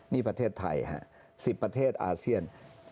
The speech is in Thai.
นี่ประเทศไทยฮะ๑๐ประเทศอาเซียน